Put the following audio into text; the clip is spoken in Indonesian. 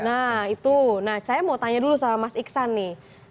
nah itu nah saya mau tanya dulu sama mas iksan nih